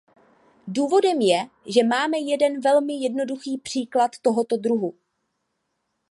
Důvodem je, že máme jeden velmi jednoduchý příklad tohoto druhu.